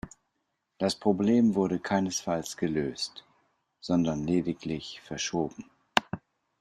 Das Problem wurde keinesfalls gelöst, sondern lediglich verschoben.